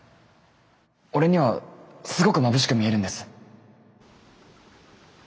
俺にはすごくまぶしく見えるんです。